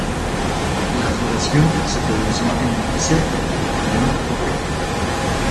La floración se produce en Sep-Oct.